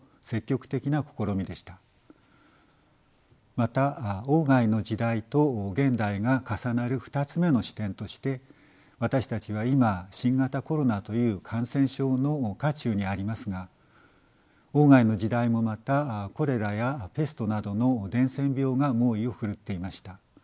また外の時代と現代が重なる２つ目の視点として私たちは今新型コロナという感染症の渦中にありますが外の時代もまたコレラやペストなどの伝染病が猛威を奮っていました。